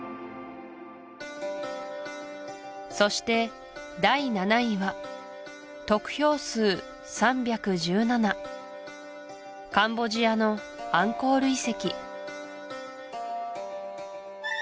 そして第７位は得票数３１７カンボジアのアンコール遺跡